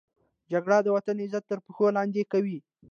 جګړه د وطن عزت تر پښو لاندې کوي